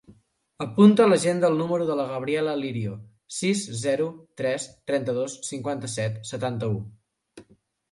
Apunta a l'agenda el número de la Gabriela Lirio: sis, zero, tres, trenta-dos, cinquanta-set, setanta-u.